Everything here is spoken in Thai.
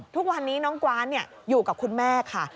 ทุกวันนี้น้องกว้านอยู่กับคุณแม่ค่ะ